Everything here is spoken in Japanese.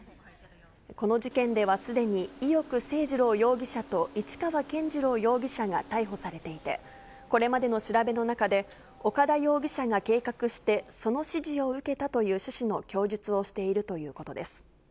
この事件ではすでに伊能誠二郎容疑者と市川健二朗容疑者が逮捕されていて、これまでの調べの中で、岡田容疑者が計画してその指示を受けたという趣旨の供述をしているということです。